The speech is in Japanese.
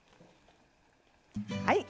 はい。